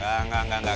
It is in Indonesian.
enggak enggak enggak